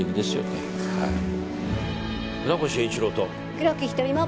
黒木瞳も。